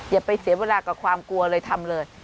อย่าไปเสียเวลากับความกลัวเลยทำเลย